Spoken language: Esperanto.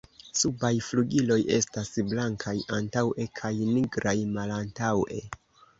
Subaj flugiloj estas blankaj antaŭe kaj nigraj malantaŭe.